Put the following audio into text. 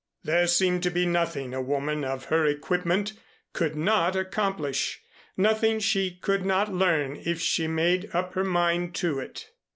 There seemed to be nothing a woman of her equipment could not accomplish, nothing she could not learn if she made up her mind to it.